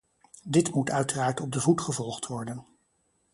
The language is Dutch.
Dit moet uiteraard op de voet gevolgd worden.